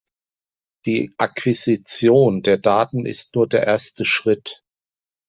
Die Akquisition der Daten ist nur der erste Schritt.